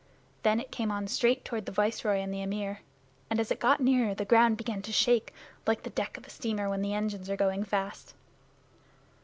Then it came on straight toward the Viceroy and the Amir, and as it got nearer the ground began to shake, like the deck of a steamer when the engines are going fast.